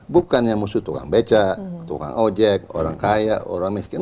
bukannya musuh tukang becak tukang ojek orang kaya orang miskin